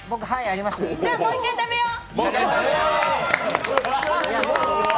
じゃ、もう一回食べよう！